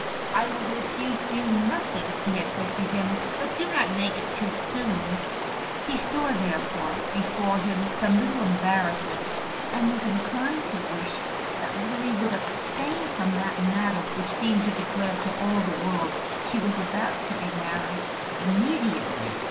"I will refuse you nothing," she had said to him; "but do not make it too soon." He saw, therefore, before him some little embarrassment, and was inclined to wish that Lily would abstain from that manner which seemed to declare to all the world that she was about to be married immediately.